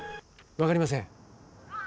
分かりません。